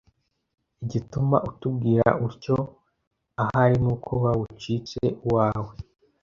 Igituma utubwira utyo, ahari ni uko wawucitse uwawe